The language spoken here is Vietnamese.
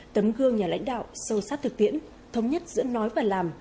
tấm gương nhà lãnh đạo sâu sát thực tiễn thống nhất giữa nói và làm